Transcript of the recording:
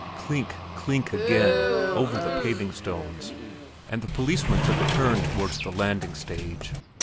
Clink, clink again over the paving stones, and the policeman took a turn towards the landing stage.